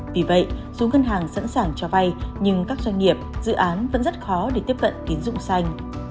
vì vậy dù ngân hàng sẵn sàng cho vay nhưng các doanh nghiệp dự án vẫn rất khó để tiếp cận tín dụng xanh